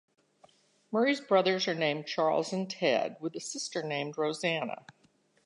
Murray's brothers are named Charles and Ted, with a sister named Roseanna.